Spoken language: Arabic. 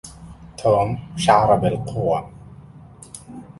توم شعر بالقوة.